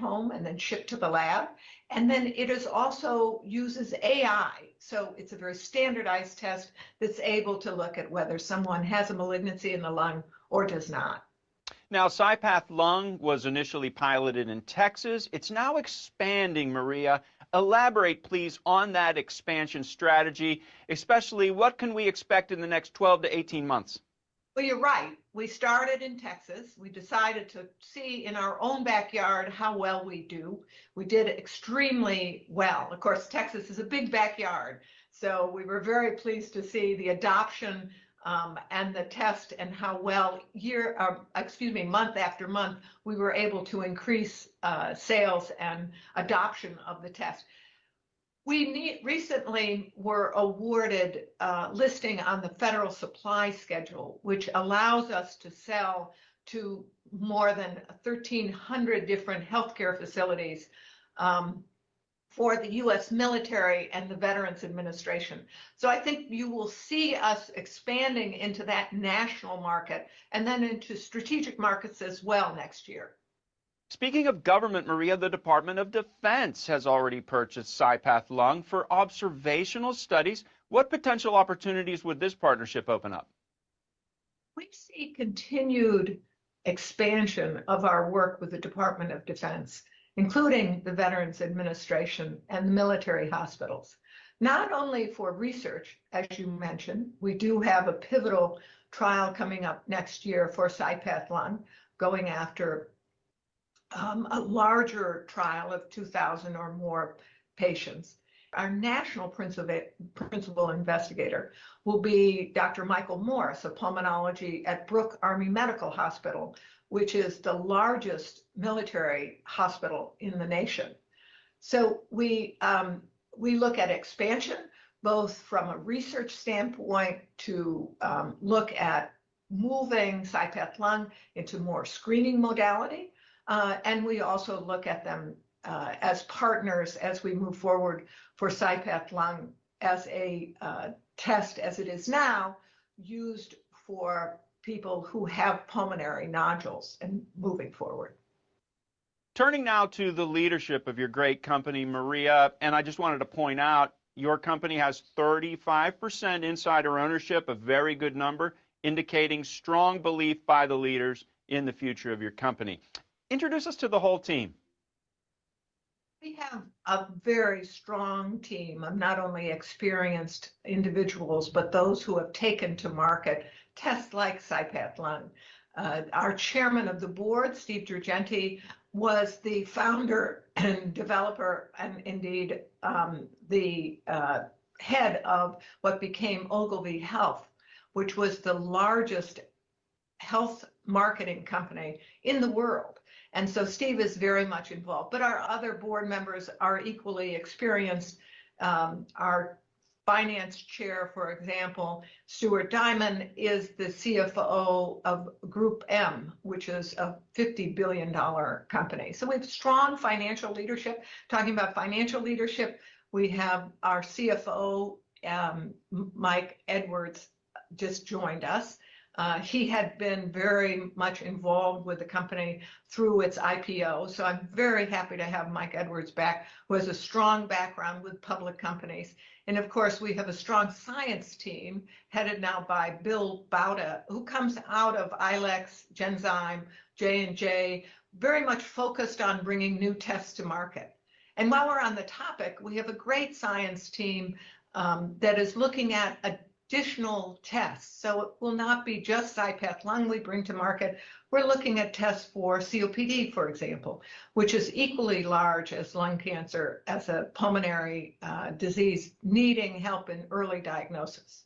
At home and then shipped to the lab, and then it also uses AI, so it's a very standardized test that's able to look at whether someone has a malignancy in the lung or does not. Now, CyPath Lung was initially piloted in Texas. It's now expanding. Maria, elaborate, please, on that expansion strategy, especially what can we expect in the next 12 to 18 months? You're right. We started in Texas. We decided to see in our own backyard how well we do. We did extremely well. Of course, Texas is a big backyard. We were very pleased to see the adoption and the test and how well year, excuse me, month after month, we were able to increase sales and adoption of the test. We recently were awarded listing on the Federal Supply Schedule, which allows us to sell to more than 1,300 different healthcare facilities for the U.S. military and the Veterans Administration. I think you will see us expanding into that national market and then into strategic markets as well next year. Speaking of government, Maria, the Department of Defense has already purchased CyPath Lung for observational studies. What potential opportunities would this partnership open up? We see continued expansion of our work with the Department of Defense, including the Veterans Administration and the military hospitals. Not only for research, as you mentioned, we do have a pivotal trial coming up next year for CyPath Lung going after a larger trial of 2,000 or more patients. Our national principal investigator will be Dr. Michael Morris of Pulmonology at Brooke Army Medical Center, which is the largest military hospital in the nation. So we look at expansion both from a research standpoint to look at moving CyPath Lung into more screening modality. And we also look at them as partners as we move forward for CyPath Lung as a test as it is now used for people who have pulmonary nodules and moving forward. Turning now to the leadership of your great company, Maria. I just wanted to point out your company has 35% insider ownership, a very good number, indicating strong belief by the leaders in the future of your company. Introduce us to the whole team. We have a very strong team of not only experienced individuals, but those who have taken to market tests like CyPath Lung. Our Chairman of the Board, Steve Girgenti, was the founder and developer, and indeed the head of what became Ogilvy Health, which was the largest health marketing company in the world. And so Steve is very much involved. But our other board members are equally experienced. Our Finance Chair, for example, Stuart Diamond, is the CFO of GroupM, which is a $50 billion company. So we have strong financial leadership. Talking about financial leadership, we have our CFO, Mike Edwards, just joined us. He had been very much involved with the company through its IPO. So I'm very happy to have Mike Edwards back, who has a strong background with public companies. And of course, we have a strong science team headed now by Bill Bauta, who comes out of ILEX, Genzyme, J&J, very much focused on bringing new tests to market. And while we're on the topic, we have a great science team that is looking at additional tests. So it will not be just CyPath Lung we bring to market. We're looking at tests for COPD, for example, which is equally large as lung cancer, as a pulmonary disease needing help in early diagnosis.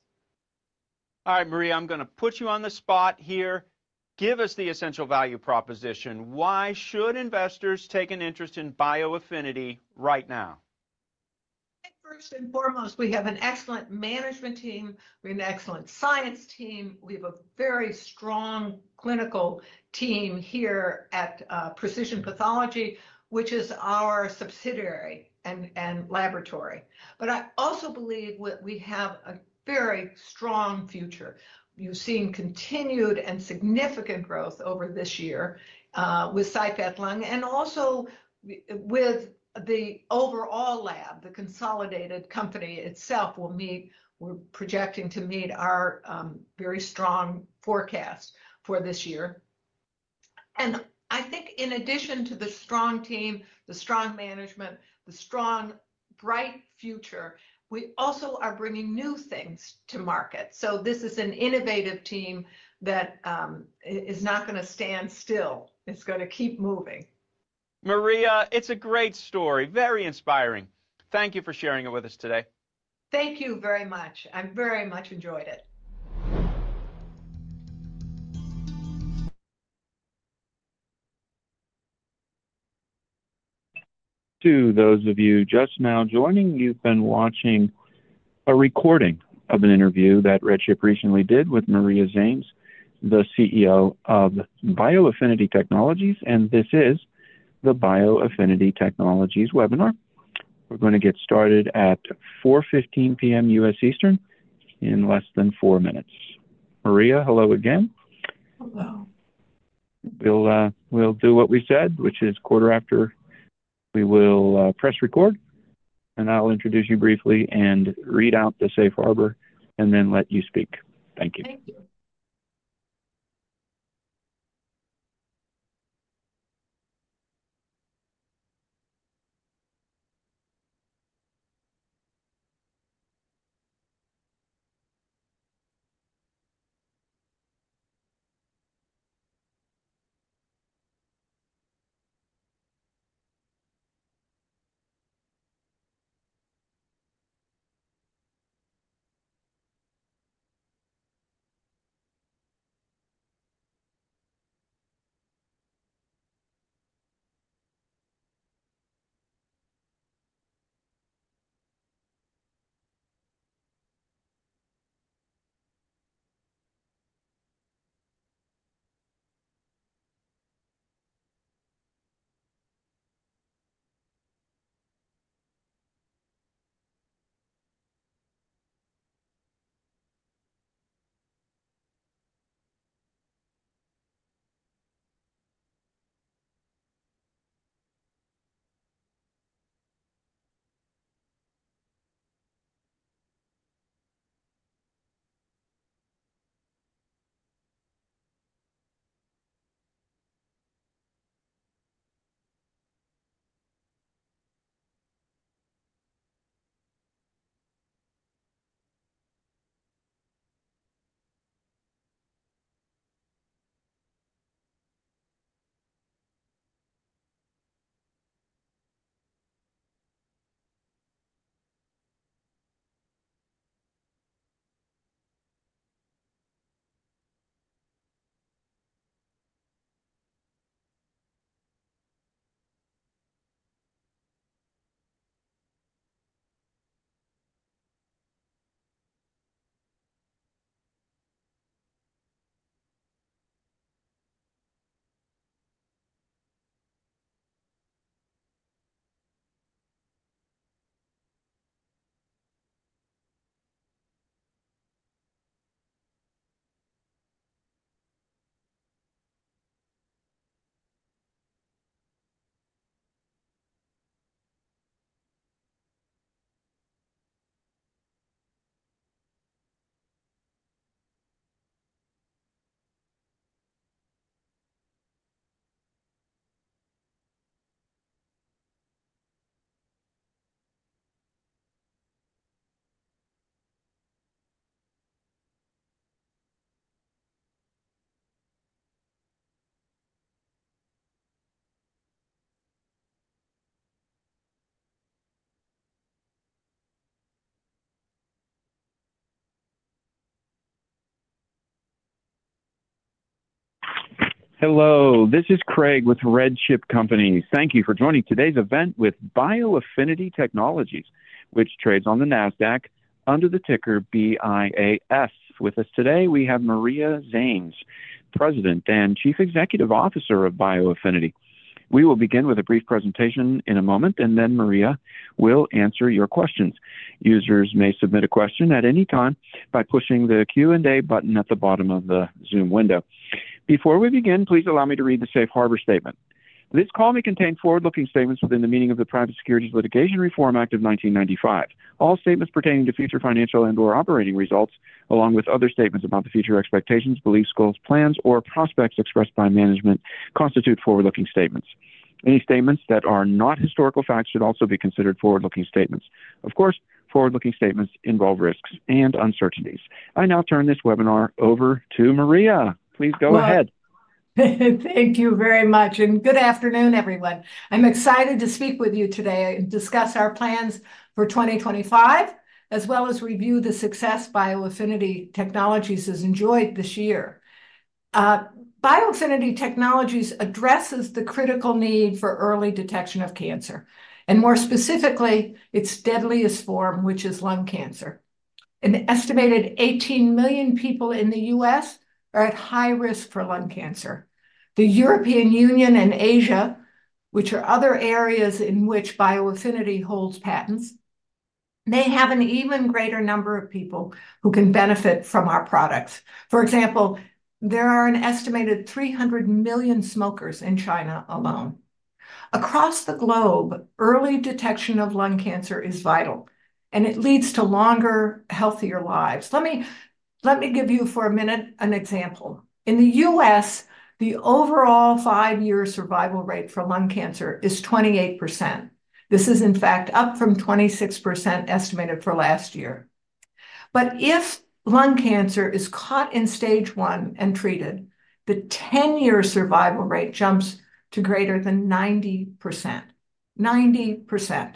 All right, Maria, I'm going to put you on the spot here. Give us the essential value proposition. Why should investors take an interest in bioAffinity right now? First and foremost, we have an excellent management team. We have an excellent science team. We have a very strong clinical team here at Precision Pathology, which is our subsidiary and laboratory. But I also believe we have a very strong future. You've seen continued and significant growth over this year with CyPath Lung and also with the overall lab. The consolidated company itself will meet. We're projecting to meet our very strong forecast for this year. And I think in addition to the strong team, the strong management, the strong, bright future, we also are bringing new things to market. So this is an innovative team that is not going to stand still. It's going to keep moving. Maria, it's a great story. Very inspiring. Thank you for sharing it with us today. Thank you very much. I very much enjoyed it. To those of you just now joining, you've been watching a recording of an interview that RedChip recently did with Maria Zannes, the CEO of bioAffinity Technologies. This is the bioAffinity Technologies webinar. We're going to get started at 4:15 P.M. U.S. Eastern in less than four minutes. Maria, hello again. Hello. We'll do what we said, which is quarter after. We will press record. And I'll introduce you briefly and read out the safe harbor and then let you speak. Thank you. Hello. This is Craig with RedChip Companies. Thank you for joining today's event with bioAffinity Technologies, which trades on the NASDAQ under the ticker BIAS. With us today, we have Maria Zannes, President and Chief Executive Officer of bioAffinity. We will begin with a brief presentation in a moment, and then Maria will answer your questions. Users may submit a question at any time by pushing the Q&A button at the bottom of the Zoom window. Before we begin, please allow me to read the safe harbor statement. This call may contain forward-looking statements within the meaning of the Private Securities Litigation Reform Act of 1995. All statements pertaining to future financial and/or operating results, along with other statements about the future expectations, beliefs, goals, plans, or prospects expressed by management, constitute forward-looking statements. Any statements that are not historical facts should also be considered forward-looking statements. Of course, forward-looking statements involve risks and uncertainties. I now turn this webinar over to Maria. Please go ahead. Thank you very much and good afternoon, everyone. I'm excited to speak with you today and discuss our plans for 2025, as well as review the success bioAffinity Technologies has enjoyed this year. BioAffinity Technologies addresses the critical need for early detection of cancer, and more specifically, its deadliest form, which is lung cancer. An estimated 18 million people in the U.S. are at high risk for lung cancer. The European Union and Asia, which are other areas in which bioAffinity holds patents, may have an even greater number of people who can benefit from our products. For example, there are an estimated 300 million smokers in China alone. Across the globe, early detection of lung cancer is vital, and it leads to longer, healthier lives. Let me give you for a minute an example. In the U.S., the overall five-year survival rate for lung cancer is 28%. This is, in fact, up from 26% estimated for last year. But if lung cancer is caught in stage one and treated, the 10-year survival rate jumps to greater than 90%, 90%.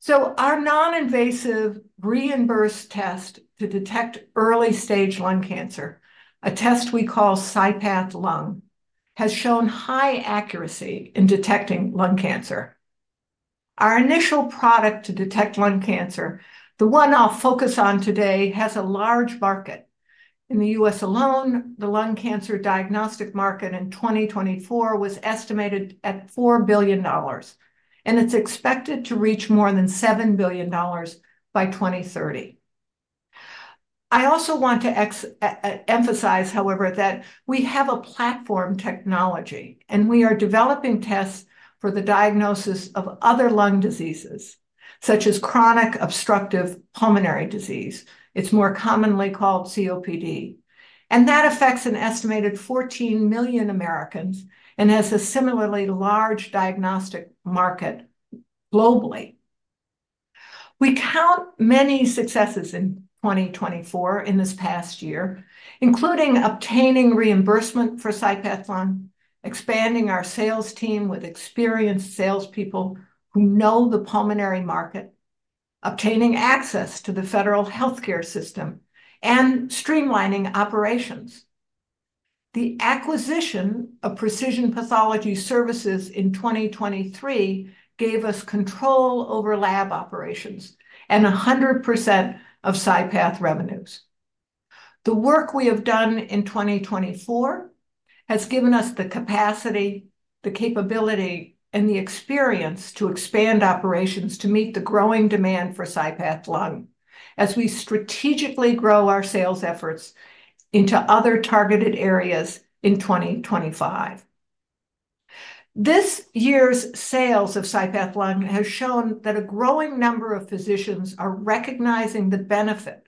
So our non-invasive reimbursed test to detect early stage lung cancer, a test we call CyPath Lung, has shown high accuracy in detecting lung cancer. Our initial product to detect lung cancer, the one I'll focus on today, has a large market. In the U.S. alone, the lung cancer diagnostic market in 2024 was estimated at $4 billion, and it's expected to reach more than $7 billion by 2030. I also want to emphasize, however, that we have a platform technology, and we are developing tests for the diagnosis of other lung diseases, such as chronic obstructive pulmonary disease. It's more commonly called COPD, and that affects an estimated 14 million Americans and has a similarly large diagnostic market globally. We count many successes in 2024 in this past year, including obtaining reimbursement for CyPath Lung, expanding our sales team with experienced salespeople who know the pulmonary market, obtaining access to the federal healthcare system, and streamlining operations. The acquisition of Precision Pathology Services in 2023 gave us control over lab operations and 100% of CyPath revenues. The work we have done in 2024 has given us the capacity, the capability, and the experience to expand operations to meet the growing demand for CyPath Lung as we strategically grow our sales efforts into other targeted areas in 2025. This year's sales of CyPath Lung have shown that a growing number of physicians are recognizing the benefit.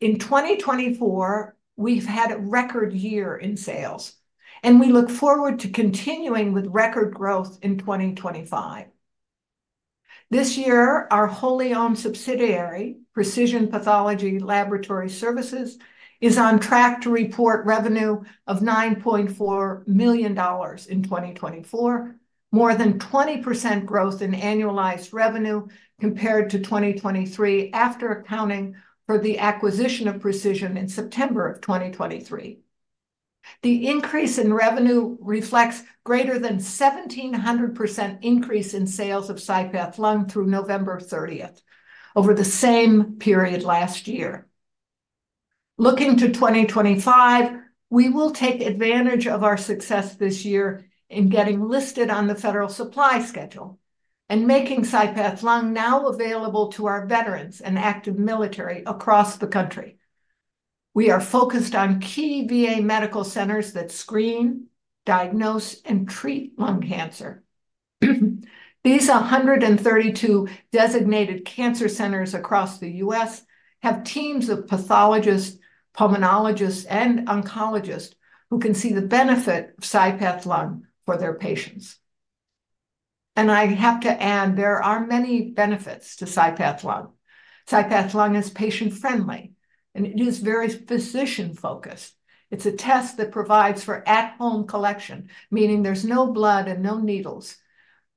In 2024, we've had a record year in sales, and we look forward to continuing with record growth in 2025. This year, our wholly-owned subsidiary, Precision Pathology Services, is on track to report revenue of $9.4 million in 2024, more than 20% growth in annualized revenue compared to 2023, after accounting for the acquisition of Precision in September of 2023. The increase in revenue reflects greater than a 1,700% increase in sales of CyPath Lung through November 30th, over the same period last year. Looking to 2025, we will take advantage of our success this year in getting listed on the Federal Supply Schedule and making CyPath Lung now available to our veterans and active military across the country. We are focused on key VA medical centers that screen, diagnose, and treat lung cancer. These 132 designated cancer centers across the U.S. have teams of pathologists, pulmonologists, and oncologists who can see the benefit of CyPath Lung for their patients, and I have to add, there are many benefits to CyPath Lung. CyPath Lung is patient-friendly, and it is very physician-focused. It's a test that provides for at-home collection, meaning there's no blood and no needles.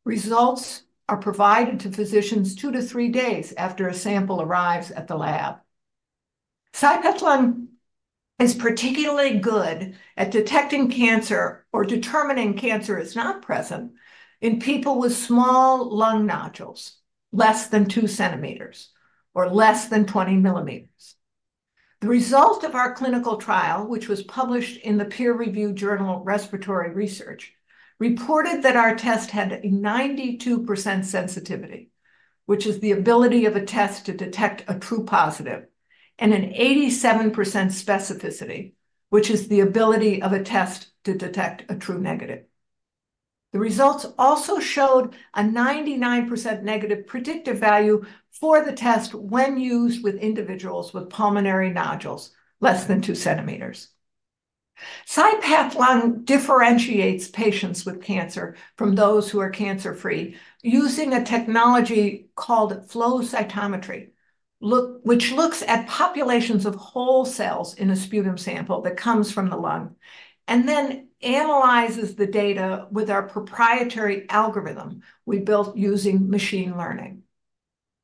Results are provided to physicians two to three days after a sample arrives at the lab. CyPath Lung is particularly good at detecting cancer or determining cancer is not present in people with small lung nodules, less than two centimeters or less than 20 millimeters. The result of our clinical trial, which was published in the peer-reviewed journal Respiratory Research, reported that our test had a 92% sensitivity, which is the ability of a test to detect a true positive, and an 87% specificity, which is the ability of a test to detect a true negative. The results also showed a 99% negative predictive value for the test when used with individuals with pulmonary nodules less than two centimeters. CyPath Lung differentiates patients with cancer from those who are cancer-free using a technology called flow cytometry, which looks at populations of whole cells in a sputum sample that comes from the lung and then analyzes the data with our proprietary algorithm we built using machine learning.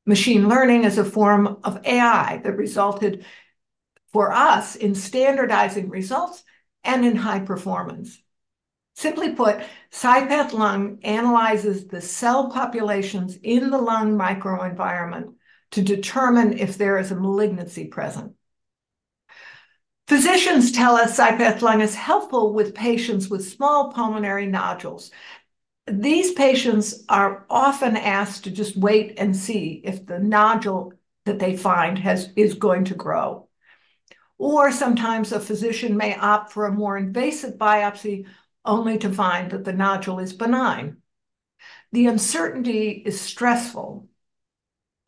Machine learning is a form of AI that resulted for us in standardizing results and in high performance. Simply put, CyPath Lung analyzes the cell populations in the lung microenvironment to determine if there is a malignancy present. Physicians tell us CyPath Lung is helpful with patients with small pulmonary nodules. These patients are often asked to just wait and see if the nodule that they find is going to grow. Or sometimes a physician may opt for a more invasive biopsy only to find that the nodule is benign. The uncertainty is stressful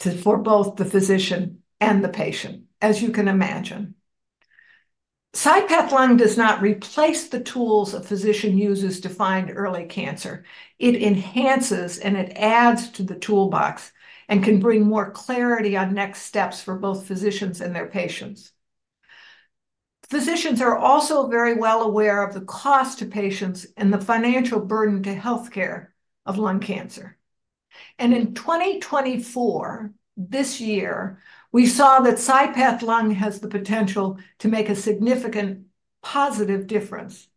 for both the physician and the patient, as you can imagine. CyPath Lung does not replace the tools a physician uses to find early cancer. It enhances and it adds to the toolbox and can bring more clarity on next steps for both physicians and their patients. Physicians are also very well aware of the cost to patients and the financial burden to healthcare of lung cancer. In 2024, this year, we saw that CyPath Lung has the potential to make a significant positive difference.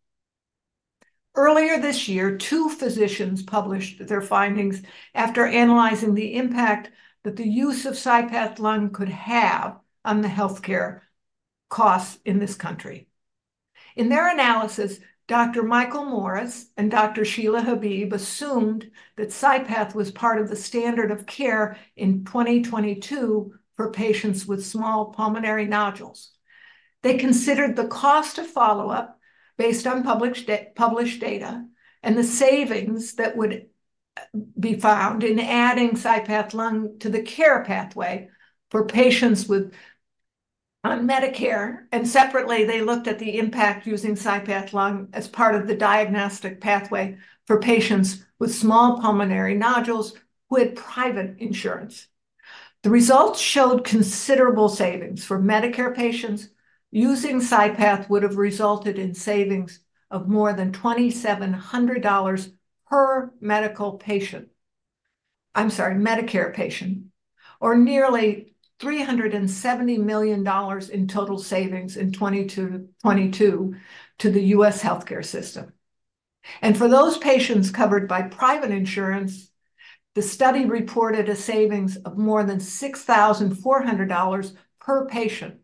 Earlier this year, two physicians published their findings after analyzing the impact that the use of CyPath Lung could have on the healthcare costs in this country. In their analysis, Dr. Michael Morris and Dr. Sheila Habib assumed that CyPath was part of the standard of care in 2022 for patients with small pulmonary nodules. They considered the cost of follow-up based on published data and the savings that would be found in adding CyPath Lung to the care pathway for patients on Medicare. Separately, they looked at the impact using CyPath Lung as part of the diagnostic pathway for patients with small pulmonary nodules who had private insurance. The results showed considerable savings for Medicare patients. Using CyPath would have resulted in savings of more than $2,700 per medical patient, I'm sorry, Medicare patient, or nearly $370 million in total savings in 2022 to the U.S. healthcare system. And for those patients covered by private insurance, the study reported a savings of more than $6,400 per patient.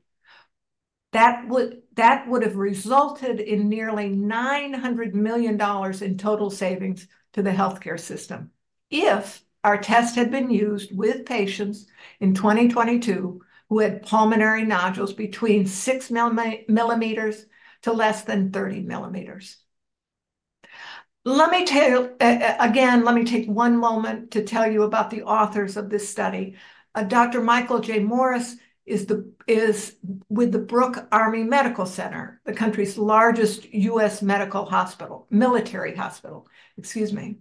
That would have resulted in nearly $900 million in total savings to the healthcare system if our test had been used with patients in 2022 who had pulmonary nodules between 6 millimeters to less than 30 millimeters. Again, let me take one moment to tell you about the authors of this study. Dr. Michael J. Morris is with the Brooke Army Medical Center, the country's largest U.S. military hospital. Excuse me.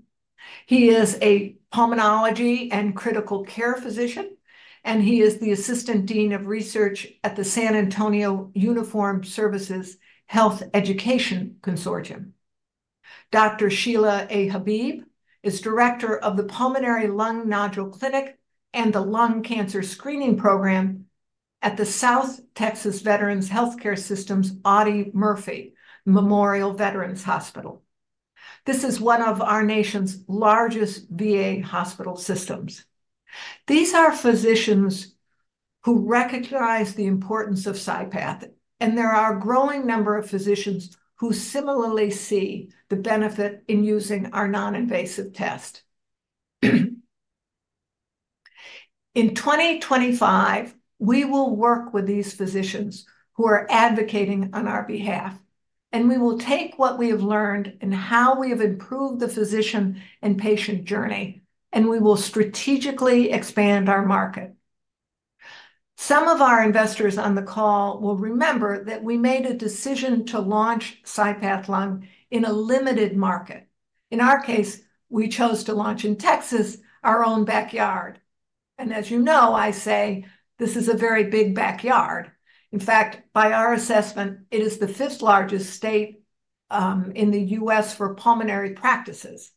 He is a pulmonology and critical care physician, and he is the assistant dean of research at the San Antonio Uniformed Services Health Education Consortium. Dr. Sheila A. Habib is director of the Pulmonary Lung Nodule Clinic and the Lung Cancer Screening Program at the South Texas Veterans Health Care System's Audie L. Murphy Memorial Veterans Hospital. This is one of our nation's largest VA hospital systems. These are physicians who recognize the importance of CyPath, and there are a growing number of physicians who similarly see the benefit in using our non-invasive test. In 2025, we will work with these physicians who are advocating on our behalf, and we will take what we have learned and how we have improved the physician and patient journey, and we will strategically expand our market. Some of our investors on the call will remember that we made a decision to launch CyPath Lung in a limited market. In our case, we chose to launch in Texas, our own backyard. And as you know, I say, this is a very big backyard. In fact, by our assessment, it is the fifth largest state in the U.S. for pulmonary practices.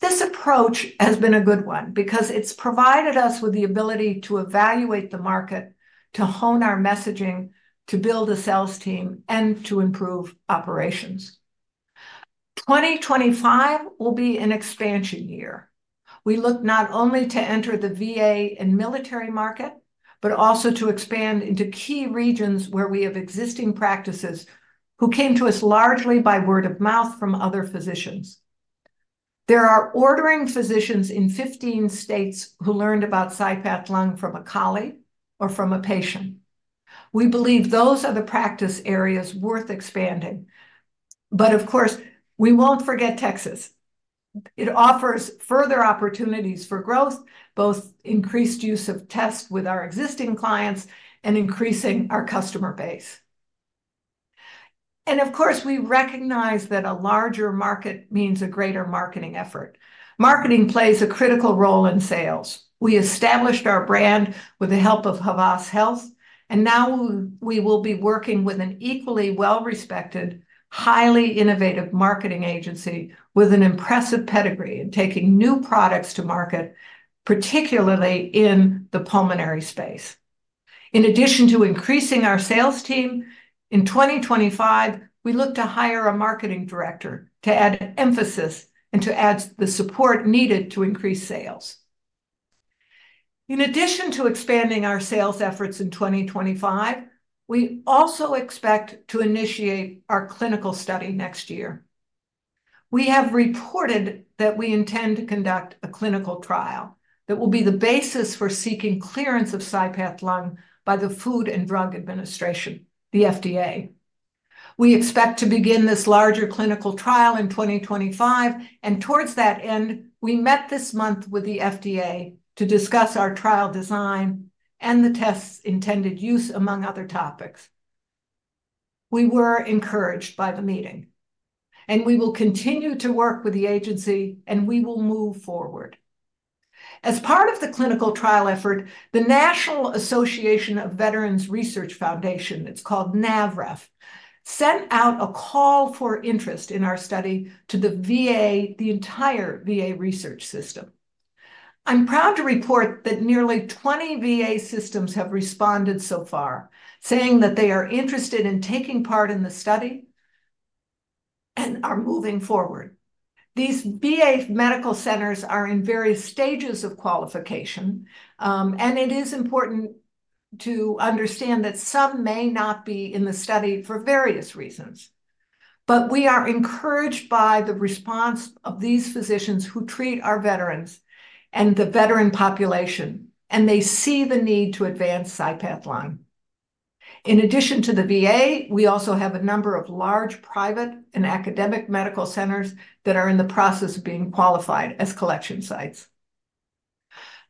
This approach has been a good one because it's provided us with the ability to evaluate the market, to hone our messaging, to build a sales team, and to improve operations. 2025 will be an expansion year. We look not only to enter the VA and military market, but also to expand into key regions where we have existing practices who came to us largely by word of mouth from other physicians. There are ordering physicians in 15 states who learned about CyPath Lung from a colleague or from a patient. We believe those are the practice areas worth expanding. But of course, we won't forget Texas. It offers further opportunities for growth, both increased use of tests with our existing clients and increasing our customer base. Of course, we recognize that a larger market means a greater marketing effort. Marketing plays a critical role in sales. We established our brand with the help of Havas Health, and now we will be working with an equally well-respected, highly innovative marketing agency with an impressive pedigree in taking new products to market, particularly in the pulmonary space. In addition to increasing our sales team, in 2025, we look to hire a marketing director to add emphasis and to add the support needed to increase sales. In addition to expanding our sales efforts in 2025, we also expect to initiate our clinical study next year. We have reported that we intend to conduct a clinical trial that will be the basis for seeking clearance of CyPath Lung by the Food and Drug Administration, the FDA. We expect to begin this larger clinical trial in 2025, and towards that end, we met this month with the FDA to discuss our trial design and the test's intended use, among other topics. We were encouraged by the meeting, and we will continue to work with the agency, and we will move forward. As part of the clinical trial effort, the National Association of Veterans' Research Foundations, it's called NAVREF, sent out a call for interest in our study to the VA, the entire VA research system. I'm proud to report that nearly 20 VA systems have responded so far, saying that they are interested in taking part in the study and are moving forward. These VA medical centers are in various stages of qualification, and it is important to understand that some may not be in the study for various reasons. But we are encouraged by the response of these physicians who treat our veterans and the veteran population, and they see the need to advance CyPath Lung. In addition to the VA, we also have a number of large private and academic medical centers that are in the process of being qualified as collection sites.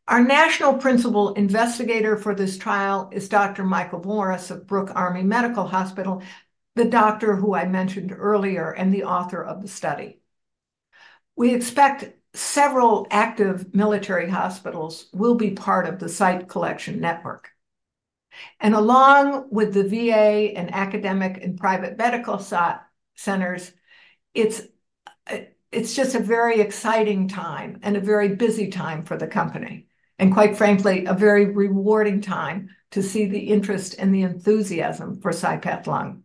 Our national principal investigator for this trial is Dr. Michael Morris of Brooke Army Medical Center, the doctor who I mentioned earlier and the author of the study. We expect several active military hospitals will be part of the site collection network, and along with the VA and academic and private medical centers, it's just a very exciting time and a very busy time for the company, and quite frankly, a very rewarding time to see the interest and the enthusiasm for CyPath Lung.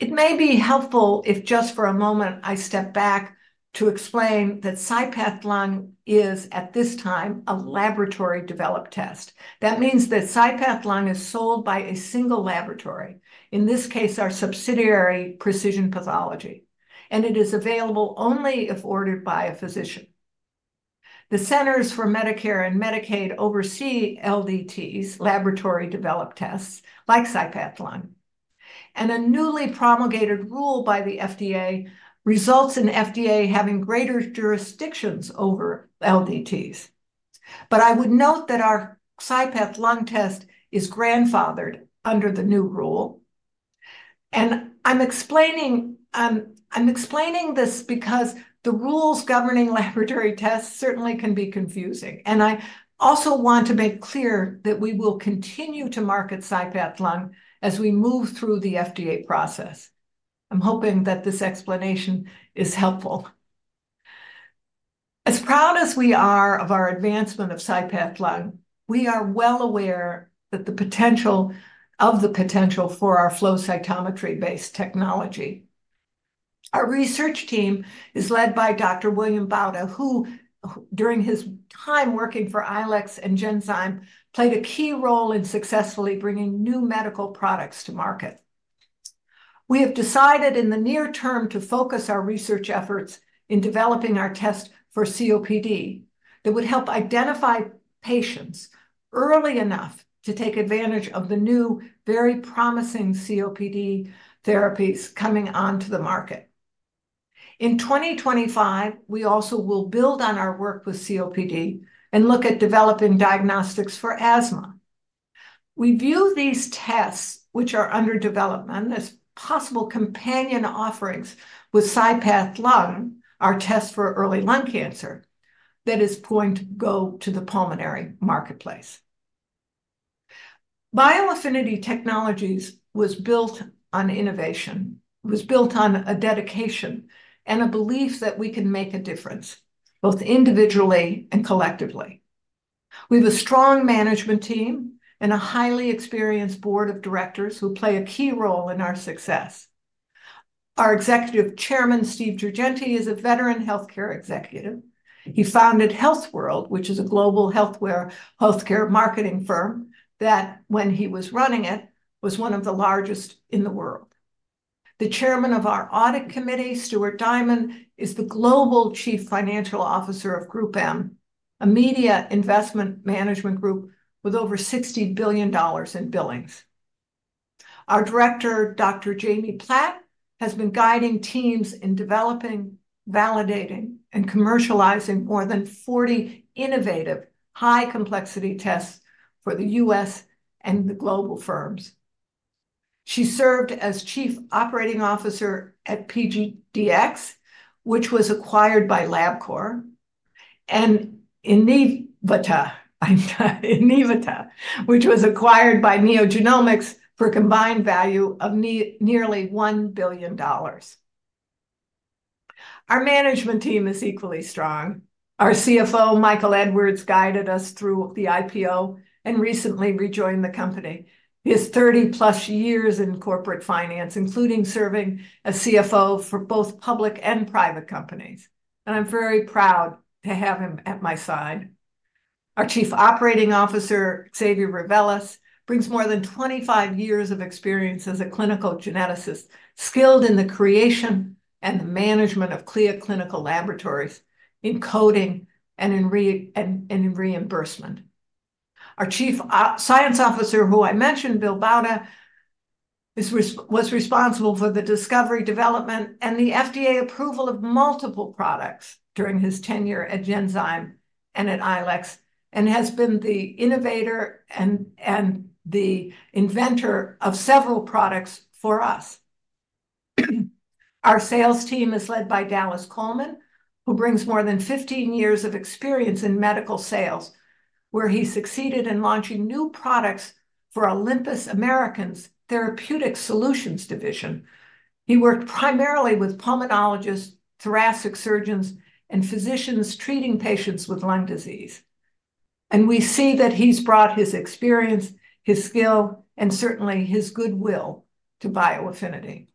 It may be helpful if just for a moment I step back to explain that CyPath Lung is, at this time, a laboratory-developed test. That means that CyPath Lung is sold by a single laboratory, in this case, our subsidiary Precision Pathology, and it is available only if ordered by a physician. The Centers for Medicare and Medicaid oversee LDTs, laboratory-developed tests, like CyPath Lung. And a newly promulgated rule by the FDA results in FDA having greater jurisdictions over LDTs. But I would note that our CyPath Lung test is grandfathered under the new rule. And I'm explaining this because the rules governing laboratory tests certainly can be confusing. And I also want to make clear that we will continue to market CyPath Lung as we move through the FDA process. I'm hoping that this explanation is helpful. As proud as we are of our advancement of CyPath Lung, we are well aware of the potential for our flow cytometry-based technology. Our research team is led by Dr. William Bauta, who, during his time working for ILEX and Genzyme, played a key role in successfully bringing new medical products to market. We have decided in the near term to focus our research efforts in developing our test for COPD that would help identify patients early enough to take advantage of the new, very promising COPD therapies coming onto the market. In 2025, we also will build on our work with COPD and look at developing diagnostics for asthma. We view these tests, which are under development as possible companion offerings with CyPath Lung, our test for early lung cancer, that is going to go to the pulmonary marketplace. BioAffinity Technologies was built on innovation, was built on a dedication and a belief that we can make a difference, both individually and collectively. We have a strong management team and a highly experienced board of directors who play a key role in our success. Our Executive Chairman, Steve Girgenti, is a veteran healthcare executive. He founded HealthWorld, which is a global healthcare marketing firm that, when he was running it, was one of the largest in the world. The Chairman of our Audit Committee, Stuart Diamond, is the global chief financial officer of GroupM, a media investment management group with over $60 billion in billings. Our Director, Dr. Jamie Platt, has been guiding teams in developing, validating, and commercializing more than 40 innovative high-complexity tests for the U.S. and the global firms. She served as chief operating officer at PGDx, which was acquired by Labcorp, and Inivata, which was acquired by NeoGenomics for a combined value of nearly $1 billion. Our management team is equally strong. Our CFO, Michael Edwards, guided us through the IPO and recently rejoined the company. He has 30-plus years in corporate finance, including serving as CFO for both public and private companies. And I'm very proud to have him at my side. Our Chief Operating Officer, Xavier Reveles, brings more than 25 years of experience as a clinical geneticist skilled in the creation and the management of CLIA clinical laboratories, in coding and in reimbursement. Our Chief Science Officer, who I mentioned, Bill Bauta, was responsible for the discovery, development, and the FDA approval of multiple products during his tenure at Genzyme and at ILEX, and has been the innovator and the inventor of several products for us. Our sales team is led by Dallas Coleman, who brings more than 15 years of experience in medical sales, where he succeeded in launching new products for Olympus Corporation of the Americas' Therapeutic Solutions Division. He worked primarily with pulmonologists, thoracic surgeons, and physicians treating patients with lung disease, and we see that he's brought his experience, his skill, and certainly his goodwill to BioAffinity.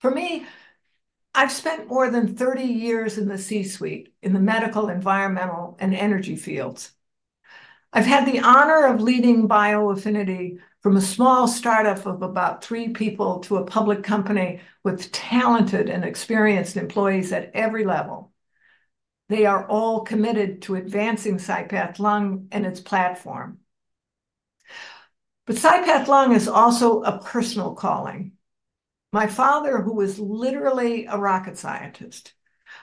For me, I've spent more than 30 years in the C-suite in the medical, environmental, and energy fields. I've had the honor of leading BioAffinity from a small startup of about three people to a public company with talented and experienced employees at every level. They are all committed to advancing CyPath Lung and its platform. But CyPath Lung is also a personal calling. My father, who was literally a rocket scientist,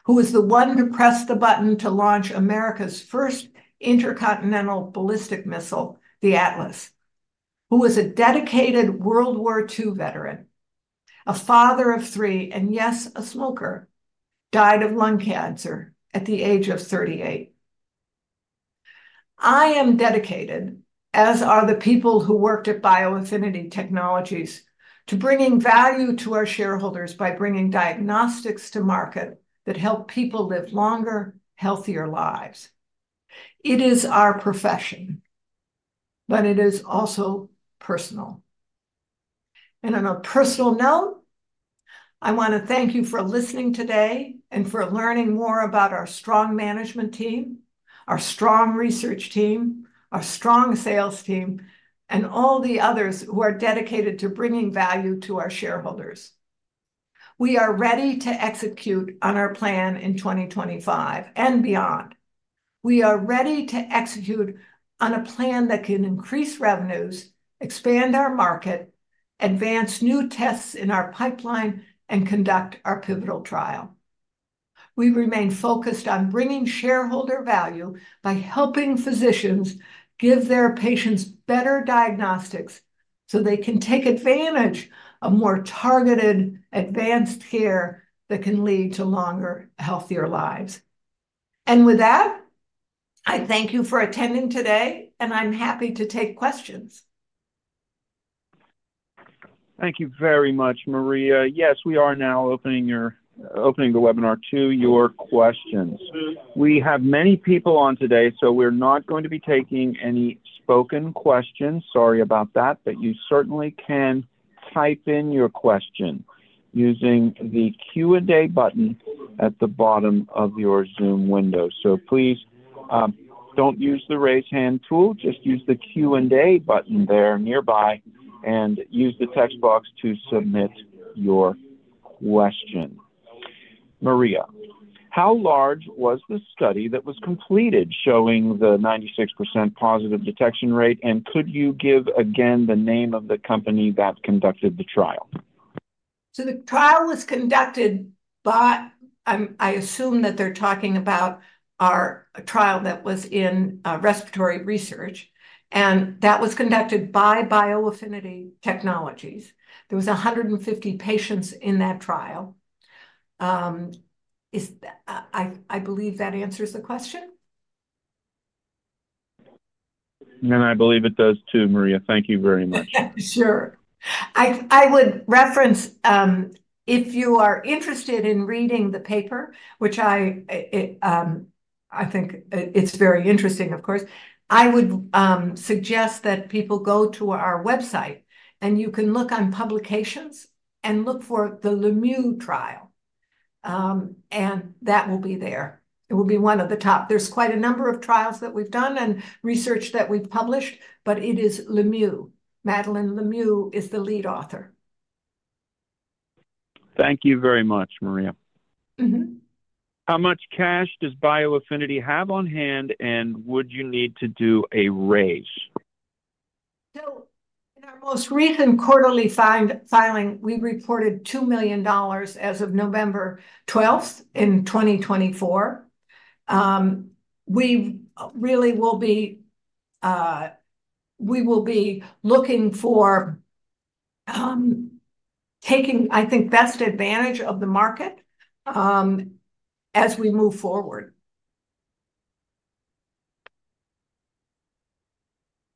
who was the one who pressed the button to launch America's first intercontinental ballistic missile, the Atlas, who was a dedicated World War II veteran, a father of three, and yes, a smoker, died of lung cancer at the age of 38. I am dedicated, as are the people who worked at bioAffinity Technologies, to bringing value to our shareholders by bringing diagnostics to market that help people live longer, healthier lives. It is our profession, but it is also personal. On a personal note, I want to thank you for listening today and for learning more about our strong management team, our strong research team, our strong sales team, and all the others who are dedicated to bringing value to our shareholders. We are ready to execute on our plan in 2025 and beyond. We are ready to execute on a plan that can increase revenues, expand our market, advance new tests in our pipeline, and conduct our pivotal trial. We remain focused on bringing shareholder value by helping physicians give their patients better diagnostics so they can take advantage of more targeted, advanced care that can lead to longer, healthier lives. With that, I thank you for attending today, and I'm happy to take questions. Thank you very much, Maria. Yes, we are now opening the webinar to your questions. We have many people on today, so we're not going to be taking any spoken questions. Sorry about that, but you certainly can type in your question using the Q&A button at the bottom of your Zoom window. So please don't use the raise hand tool, just use the Q&A button there nearby and use the text box to submit your question. Maria, how large was the study that was completed showing the 96% positive detection rate, and could you give again the name of the company that conducted the trial? So the trial was conducted by. I assume that they're talking about our trial that was in Respiratory Research, and that was conducted by bioAffinity Technologies. There was 150 patients in that trial. I believe that answers the question, And I believe it does too, Maria. Thank you very much. Sure. I would reference, if you are interested in reading the paper, which I think it's very interesting, of course, I would suggest that people go to our website, and you can look on publications and look for the Lemieux trial, and that will be there. It will be one of the top. There's quite a number of trials that we've done and research that we've published, but it is Lemieux. Madeline Lemieux is the lead author. Thank you very much, Maria. How much cash does bioAffinity have on hand, and would you need to do a raise? So in our most recent quarterly filing, we reported $2 million as of November 12, 2024. We really will be looking for taking, I think, best advantage of the market as we move forward.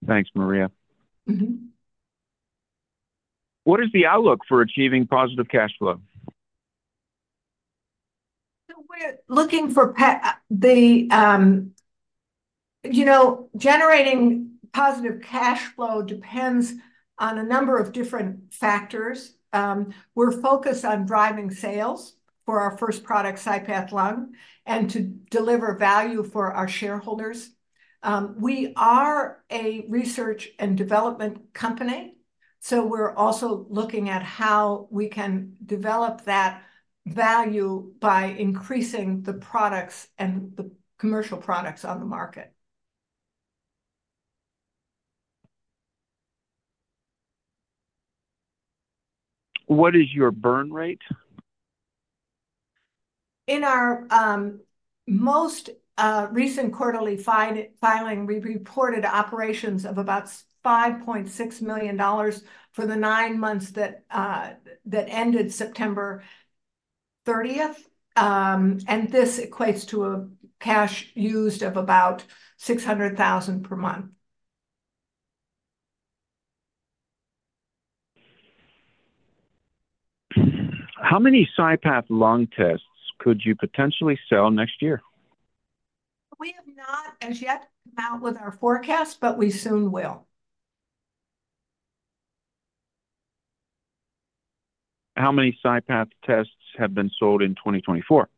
Thanks, Maria. What is the outlook for achieving positive cash flow? We're looking for the generating positive cash flow depends on a number of different factors. We're focused on driving sales for our first product, CyPath Lung, and to deliver value for our shareholders. We are a research and development company, so we're also looking at how we can develop that value by increasing the products and the commercial products on the market. What is your burn rate? In our most recent quarterly filing, we reported operations of about $5.6 million for the nine months that ended September 30th, and this equates to a cash used of about $600,000 per month. How many CyPath Lung tests could you potentially sell next year? We have not as yet come out with our forecast, but we soon will. How many CyPath tests have been sold in 2024?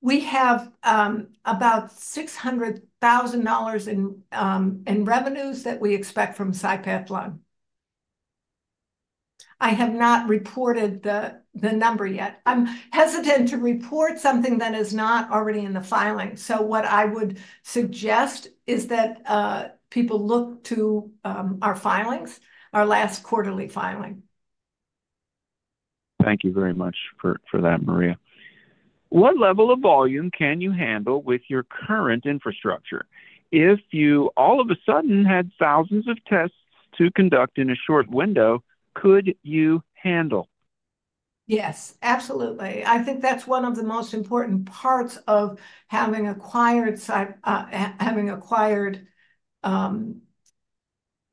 We have about $600,000 in revenues that we expect from CyPath Lung. I have not reported the number yet. I'm hesitant to report something that is not already in the filing. So what I would suggest is that people look to our filings, our last quarterly filing. Thank you very much for that, Maria. What level of volume can you handle with your current infrastructure? If you all of a sudden had thousands of tests to conduct in a short window, could you handle? Yes, absolutely. I think that's one of the most important parts of having acquired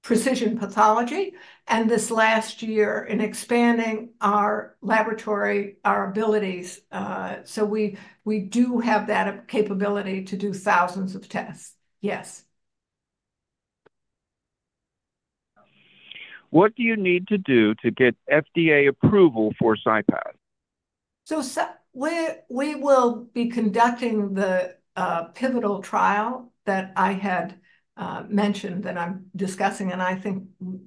Precision Pathology and this last year in expanding our laboratory, our abilities. So we do have that capability to do thousands of tests, yes. What do you need to do to get FDA approval for CyPath? So we will be conducting the pivotal trial that I had mentioned that I'm discussing, and I think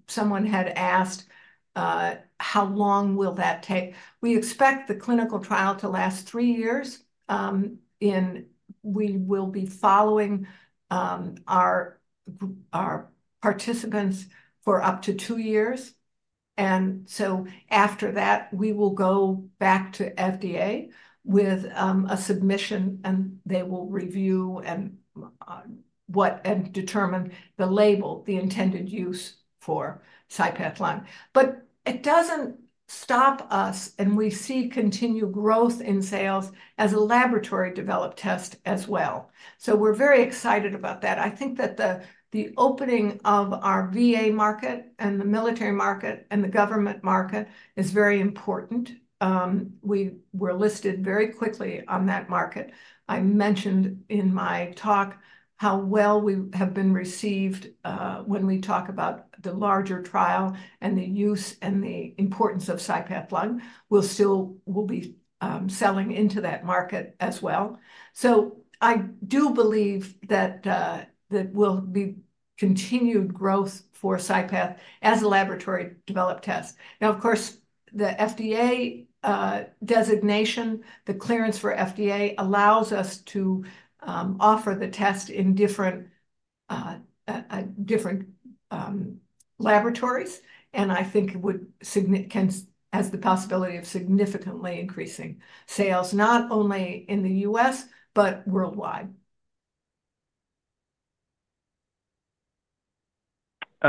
someone had asked how long will that take. We expect the clinical trial to last three years. We will be following our participants for up to two years. And so after that, we will go back to FDA with a submission, and they will review and determine the label, the intended use for CyPath Lung. But it doesn't stop us, and we see continued growth in sales as a laboratory-developed test as well. So we're very excited about that. I think that the opening of our VA market and the military market and the government market is very important. We were listed very quickly on that market. I mentioned in my talk how well we have been received when we talk about the larger trial and the use and the importance of CyPath Lung. We'll still be selling into that market as well. I do believe that there will be continued growth for CyPath as a laboratory-developed test. Now, of course, the FDA designation, the clearance for FDA allows us to offer the test in different laboratories, and I think it would have the possibility of significantly increasing sales, not only in the U.S., but worldwide.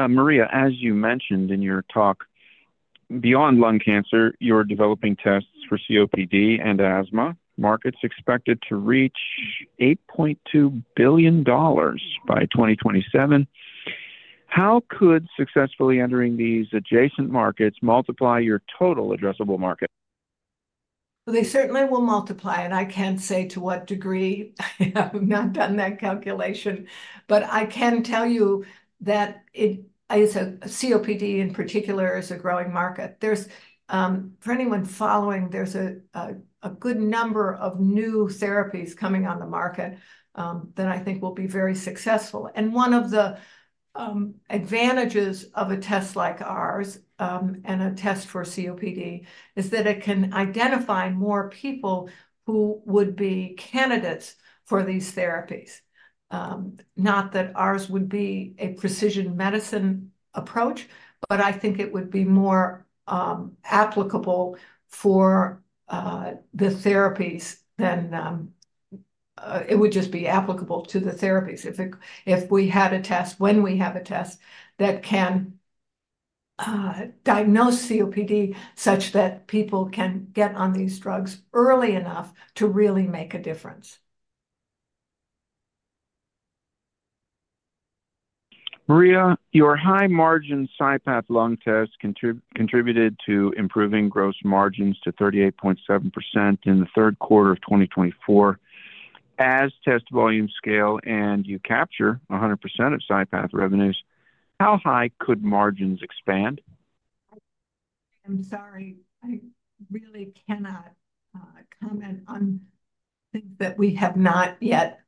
Maria, as you mentioned in your talk, beyond lung cancer, you're developing tests for COPD and asthma. Market's expected to reach $8.2 billion by 2027. How could successfully entering these adjacent markets multiply your total addressable market? They certainly will multiply, and I can't say to what degree. I have not done that calculation, but I can tell you that COPD in particular is a growing market. For anyone following, there's a good number of new therapies coming on the market that I think will be very successful. One of the advantages of a test like ours and a test for COPD is that it can identify more people who would be candidates for these therapies. Not that ours would be a precision medicine approach, but I think it would be more applicable for the therapies than it would just be applicable to the therapies. If we had a test when we have a test that can diagnose COPD such that people can get on these drugs early enough to really make a difference. Maria, your high-margin CyPath Lung test contributed to improving gross margins to 38.7% in the third quarter of 2024. As test volume scale and you capture 100% of CyPath revenues, how high could margins expand? I'm sorry. I really cannot comment on things that we have not yet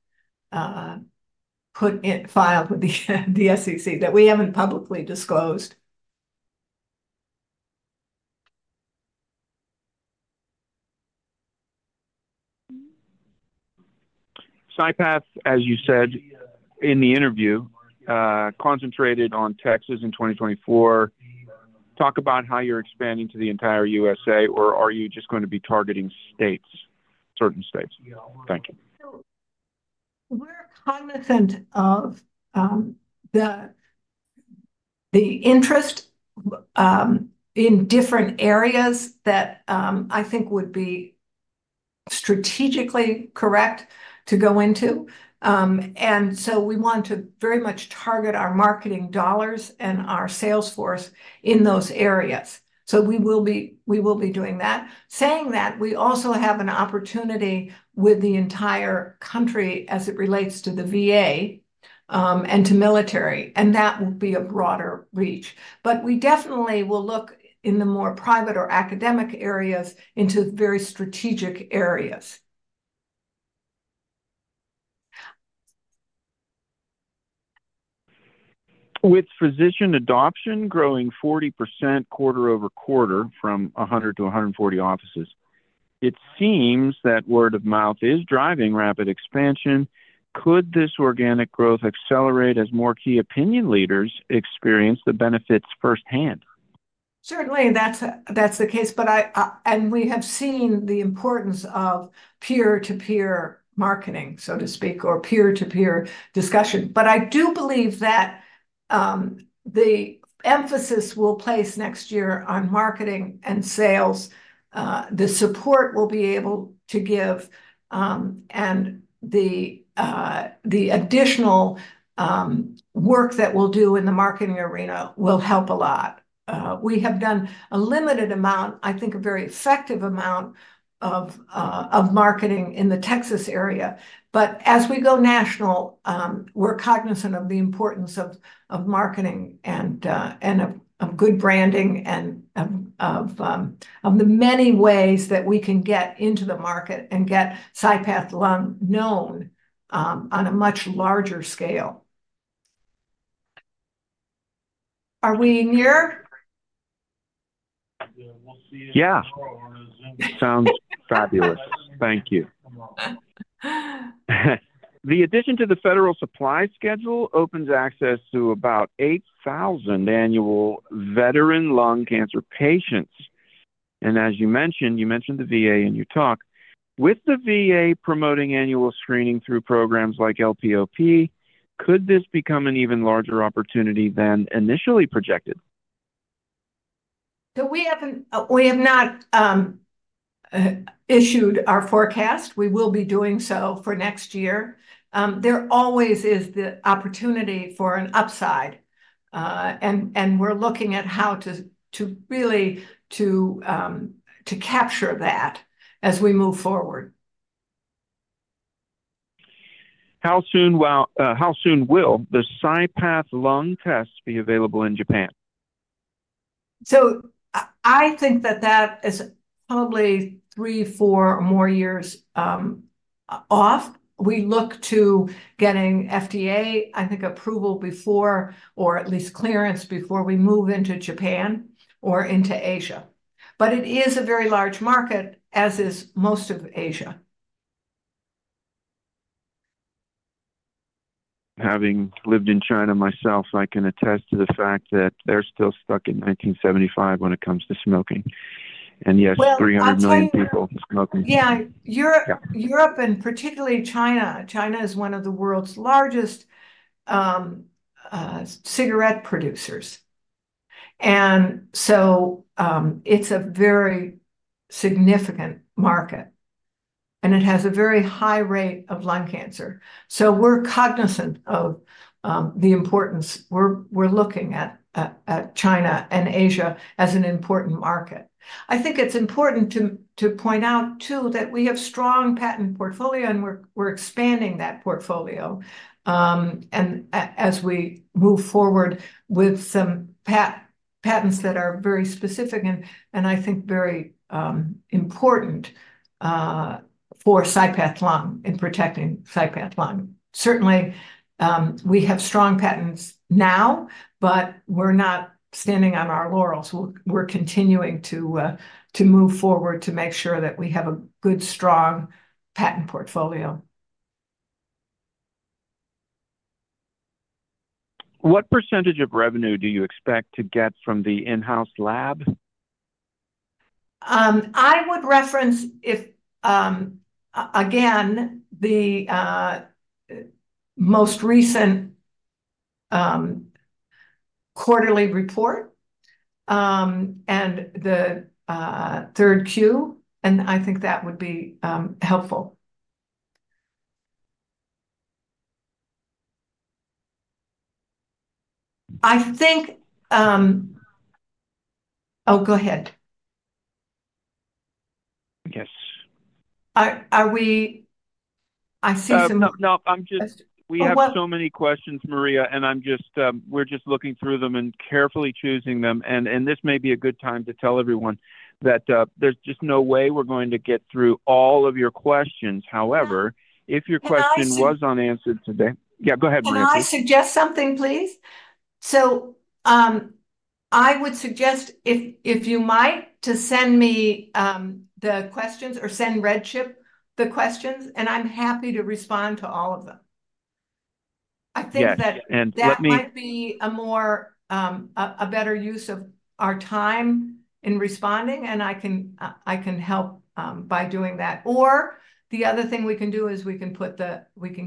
put in file with the SEC that we haven't publicly disclosed. CyPath, as you said in the interview, concentrated on Texas in 2024. Talk about how you're expanding to the entire USA, or are you just going to be targeting certain states? Thank you. We're cognizant of the interest in different areas that I think would be strategically correct to go into. And so we want to very much target our marketing dollars and our salesforce in those areas. So we will be doing that. Saying that, we also have an opportunity with the entire country as it relates to the VA and to military, and that will be a broader reach. But we definitely will look in the more private or academic areas into very strategic areas. With physician adoption growing 40% quarter over quarter from 100 to 140 offices, it seems that word of mouth is driving rapid expansion. Could this organic growth accelerate as more key opinion leaders experience the benefits firsthand? Certainly, that's the case. And we have seen the importance of peer-to-peer marketing, so to speak, or peer-to-peer discussion. But I do believe that the emphasis we'll place next year on marketing and sales, the support we'll be able to give, and the additional work that we'll do in the marketing arena will help a lot. We have done a limited amount, I think a very effective amount of marketing in the Texas area. But as we go national, we're cognizant of the importance of marketing and of good branding and of the many ways that we can get into the market and get CyPath Lung known on a much larger scale. Are we near? Yeah. Sounds fabulous. Thank you. The addition to the Federal Supply Schedule opens access to about 8,000 annual veteran lung cancer patients. As you mentioned, you mentioned the VA in your talk. With the VA promoting annual screening through programs like LPOP, could this become an even larger opportunity than initially projected? We have not issued our forecast. We will be doing so for next year. There always is the opportunity for an upside, and we're looking at how to really capture that as we move forward. How soon will the CyPath Lung test be available in Japan? I think that is probably three, four, or more years off. We look to getting FDA, I think, approval before or at least clearance before we move into Japan or into Asia. It is a very large market, as is most of Asia. Having lived in China myself, I can attest to the fact that they're still stuck in 1975 when it comes to smoking, and yes, 300 million people smoking. Yeah, Europe and particularly China. China is one of the world's largest cigarette producers, and so it's a very significant market, and it has a very high rate of lung cancer, so we're cognizant of the importance. We're looking at China and Asia as an important market. I think it's important to point out too that we have strong patent portfolio, and we're expanding that portfolio, and as we move forward with some patents that are very specific and I think very important for CyPath Lung in protecting CyPath Lung. Certainly, we have strong patents now, but we're not standing on our laurels. We're continuing to move forward to make sure that we have a good, strong patent portfolio. What percentage of revenue do you expect to get from the in-house lab? I would reference, again, the most recent quarterly report and the third Q, and I think that would be helpful. I think, oh, go ahead. Yes. I see some. No, no, no. We have so many questions, Maria, and we're just looking through them and carefully choosing them. And this may be a good time to tell everyone that there's just no way we're going to get through all of your questions. However, if your question was unanswered today, yeah, go ahead, Maria. Can I suggest something, please? So I would suggest, if you might, to send me the questions or send RedChip the questions, and I'm happy to respond to all of them. I think that that might be a better use of our time in responding, and I can help by doing that. Or, the other thing we can do is we can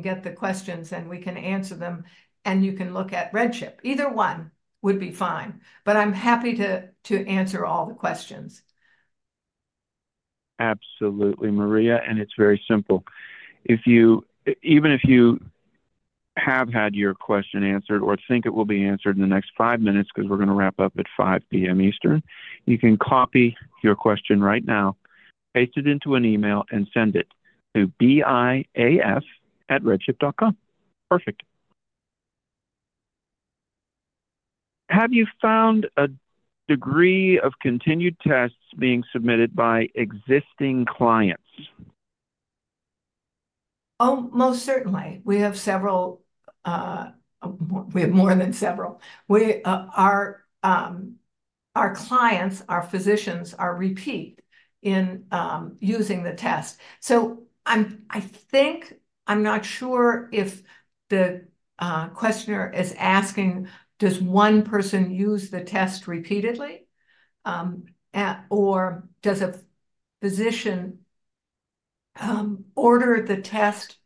get the questions, and we can answer them, and you can look at RedChip. Either one would be fine, but I'm happy to answer all the questions. Absolutely, Maria. And it's very simple. Even if you have had your question answered or think it will be answered in the next five minutes because we're going to wrap up at 5:00 P.M. Eastern, you can copy your question right now, paste it into an email, and send it to biaf@redchip.com. Perfect. Have you found a degree of continued tests being submitted by existing clients? Oh, most certainly. We have several—we have more than several. Our clients, our physicians, are repeat in using the test. So I think, I'm not sure if the questioner is asking, "Does one person use the test repeatedly, or does a physician order the test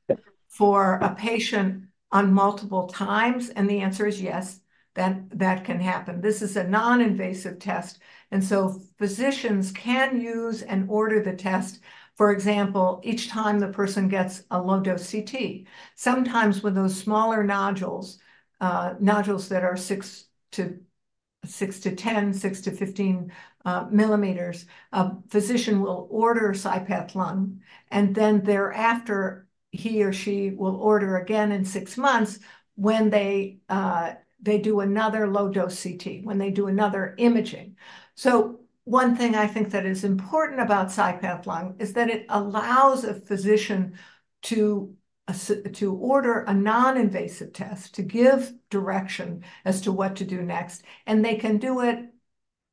for a patient multiple times?" And the answer is yes, that can happen. This is a non-invasive test, and so physicians can use and order the test, for example, each time the person gets a low-dose CT. Sometimes with those smaller nodules that are 6-10, 6-15 millimeters, a physician will order CyPath Lung, and then thereafter he or she will order again in six months when they do another low-dose CT, when they do another imaging. So one thing I think that is important about CyPath Lung is that it allows a physician to order a non-invasive test to give direction as to what to do next, and they can do it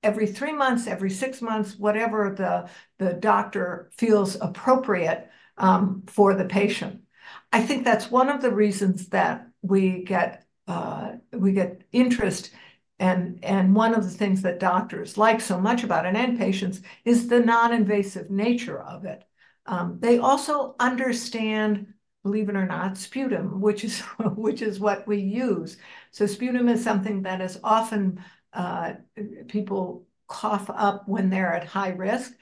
every three months, every six months, whatever the doctor feels appropriate for the patient. I think that's one of the reasons that we get interest, and one of the things that doctors like so much about and patients is the non-invasive nature of it. They also understand, believe it or not, sputum, which is what we use. So sputum is something that is often, people cough up when they're at high risk.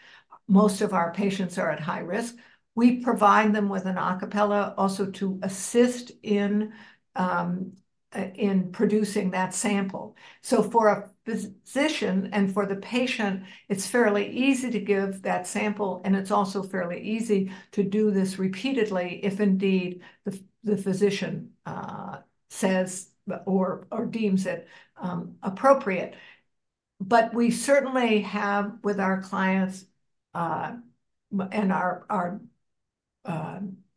Most of our patients are at high risk. We provide them with an Acapella also to assist in producing that sample. So for a physician and for the patient, it's fairly easy to give that sample, and it's also fairly easy to do this repeatedly if indeed the physician says or deems it appropriate. But we certainly have with our clients and our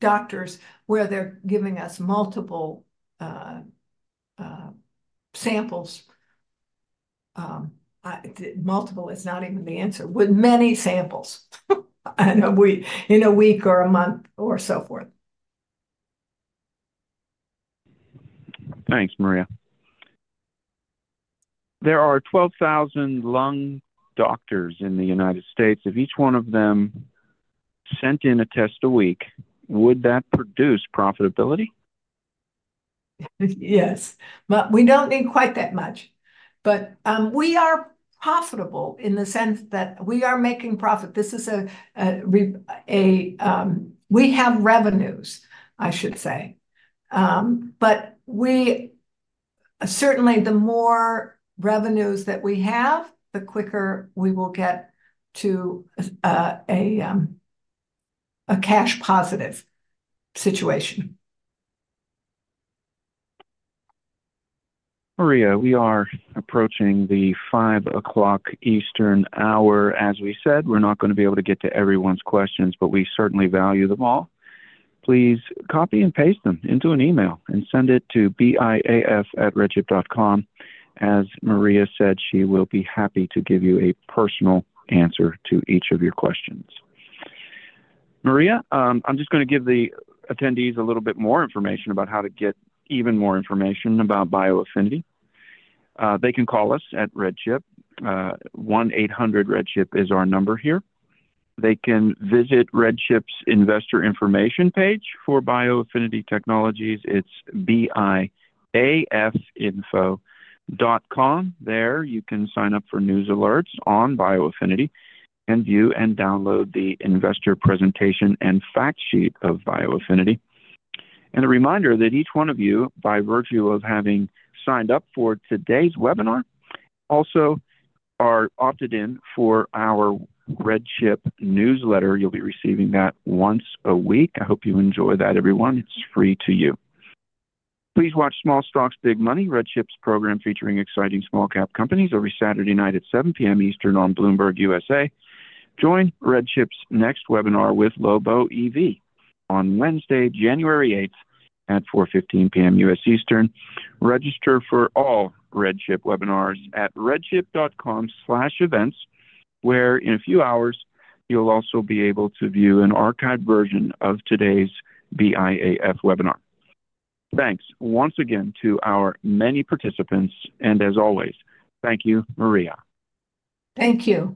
doctors where they're giving us multiple samples. Multiple is not even the answer. With many samples in a week or a month or so forth. Thanks, Maria. There are 12,000 lung doctors in the United States. If each one of them sent in a test a week, would that produce profitability? Yes. But we don't need quite that much. But we are profitable in the sense that we are making profit. We have revenues, I should say. But certainly, the more revenues that we have, the quicker we will get to a cash-positive situation. Maria, we are approaching the 5:00 P.M. Eastern hour. As we said, we're not going to be able to get to everyone's questions, but we certainly value them all. Please copy and paste them into an email and send it to biaf@redchip.com. As Maria said, she will be happy to give you a personal answer to each of your questions. Maria, I'm just going to give the attendees a little bit more information about how to get even more information about BioAffinity. They can call us at RedChip. 1-800-REDCHIP is our number here. They can visit RedChip's investor information page for BioAffinity Technologies. It's biafinfo.com. There, you can sign up for news alerts on BioAffinity and view and download the investor presentation and fact sheet of BioAffinity. And a reminder that each one of you, by virtue of having signed up for today's webinar, also are opted in for our RedChip newsletter. You'll be receiving that once a week. I hope you enjoy that, everyone. It's free to you. Please watch Small Stocks Big Money, RedChip's program featuring exciting small-cap companies every Saturday night at 7:00 P.M. Eastern on Bloomberg USA. Join RedChip's next webinar with Lobo EV on Wednesday, January 8th at 4:15 P.M. U.S. Eastern. Register for all RedChip webinars at redchip.com/events, where in a few hours, you'll also be able to view an archived version of today's BIAS webinar. Thanks once again to our many participants, and as always, thank you, Maria. Thank you.